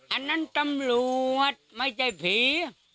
อันนั้นตำรวจไม่ใช่ผี